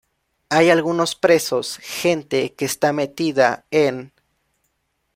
Hay algunos presos, gente que está metida en...".